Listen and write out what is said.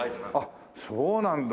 あっそうなんだ。